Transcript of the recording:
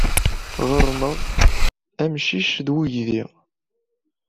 Ɣerneɣ amcic ed weydi